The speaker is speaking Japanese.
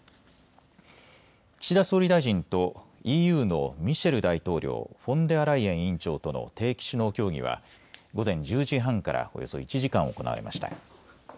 岸田総理大臣とＥＵのミシェル大統領、フォンデアライエン委員長との定期首脳協議は午前１０時半からおよそ１時間行われました。